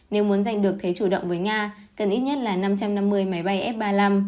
nếu muốn giành được thế chủ động với nga cần ít nhất là năm trăm năm mươi máy bay f ba mươi năm